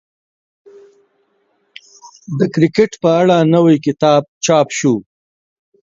د کرکټ په اړه نوی کتاب چاپ شو.